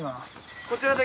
こちらで。